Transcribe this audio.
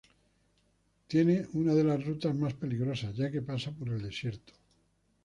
Tiene una de las rutas más peligrosas, ya que pasa por el desierto.